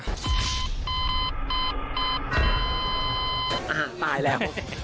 อ่ะตายแล้ว